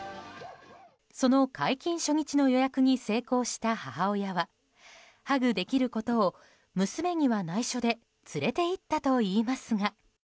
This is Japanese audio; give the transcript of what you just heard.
その解禁初日の予約に成功した母親はハグできることを娘には内緒で連れて行ったといいますが。